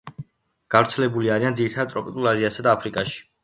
გავრცელებული არიან ძირითადად ტროპიკულ აზიასა და აფრიკაში.